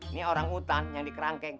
ini orang hutan yang di kerangkeng